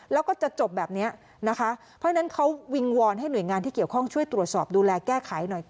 แล้วก็จะจบแบบนี้นะคะเพราะฉะนั้นเขาวิงวอนให้หน่วยงานที่เกี่ยวข้องช่วยตรวจสอบดูแลแก้ไขหน่อย